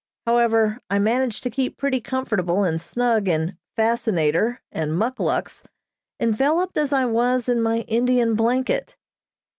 However, I managed to keep pretty comfortable and snug in "fascinator" and muckluks, enveloped as I was in my Indian blanket.